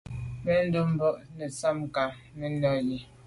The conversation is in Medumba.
Mbèn ndo’ mba netsham nka menya yi.